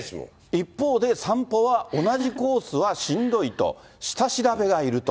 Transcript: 一方で、散歩は同じコースはしんどいと、下調べがいると。